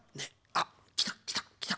あっきたきたきた。